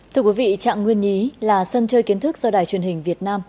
thưa quý vị trạng nguyên nhí là sân chơi kiến thức do đài truyền hình việt nam